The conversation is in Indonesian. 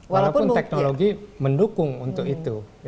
walaupun teknologi mendukung untuk itu